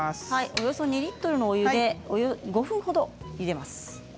およそ２リットルのお湯で５分ほどゆでます。